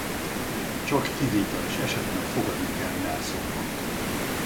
Csak kivételes esetben fogadunk el mellszobrot.